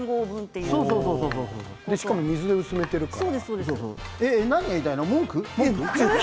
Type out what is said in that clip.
しかも水で薄めているから。